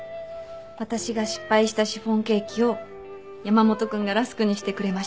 私が失敗したシフォンケーキを山本君がラスクにしてくれました。